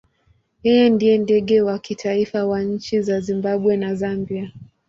Yeye ndiye ndege wa kitaifa wa nchi za Zimbabwe na Zambia.